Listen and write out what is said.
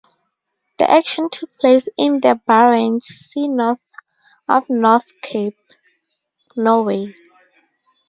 The action took place in the Barents Sea north of North Cape, Norway.